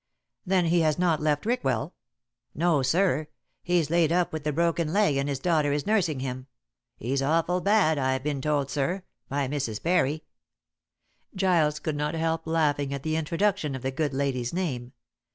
"Then he has not left Rickwell?" "No, sir. He's laid up with the broken leg and his daughter is nursing him. He's awful bad, I've been told, sir, by Mrs. Parry." Giles could not help laughing at the introduction of the good lady's name.